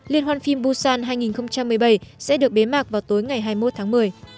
liên hoan phim busan hai nghìn một mươi bảy sẽ được bế mạc vào tối ngày hai mươi một tháng một mươi